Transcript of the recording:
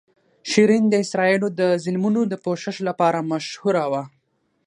شیرین د اسرائیلو د ظلمونو د پوښښ له امله مشهوره وه.